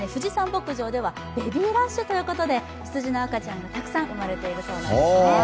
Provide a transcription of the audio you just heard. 牧場ではベビーラッシュということで羊の赤ちゃんがたくさん生まれているそうなんですね。